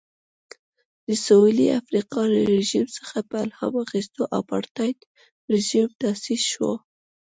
د سوېلي افریقا له رژیم څخه په الهام اخیستو اپارټایډ رژیم تاسیس شو.